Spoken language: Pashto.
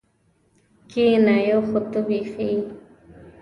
کېنه یو خو ته بېخي.